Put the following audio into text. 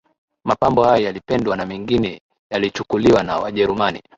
Mapambo hayo yalipendwa na mengine yalichukuliwa na Wajerumani